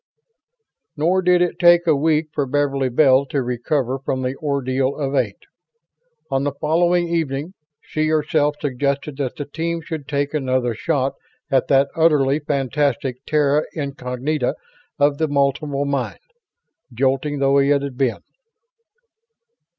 Nor did it take a week for Beverly Bell to recover from the Ordeal of Eight. On the following evening, she herself suggested that the team should take another shot at that utterly fantastic terra incognita of the multiple mind, jolting though it had been.